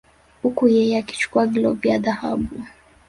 Huku yeye akichukua glov ya dhahabu